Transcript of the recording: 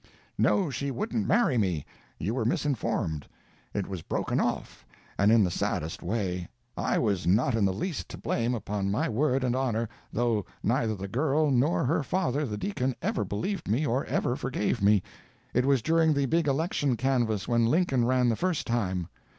No, she wouldn't marry me. You were misinformed. It was broken off, and in the saddest way. I was not in the least to blame, upon my word and honor, though neither the girl nor her father the deacon ever believed me or ever forgave me. It was during the big election canvass when Lincoln ran the first time.